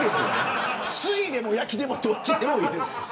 水でも焼きでもどっちでもいいです。